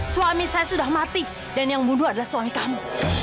suami saya sudah mati dan yang bunuh adalah suami kamu